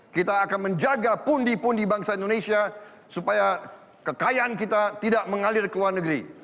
kita akan menjaga pundi pundi bangsa indonesia supaya kekayaan kita tidak mengalir ke luar negeri